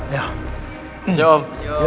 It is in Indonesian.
yaudah papa pulang dulu ya